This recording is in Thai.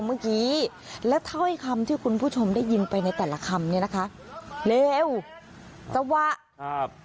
เมื่อกี้และถ้อไอ้คำที่คุณผู้ชมได้ยินไปในแต่ละคำนี้นะคะเร็วสวะครับ